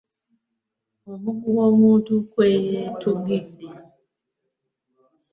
Omuguwa omuntu kwe yeetugidde.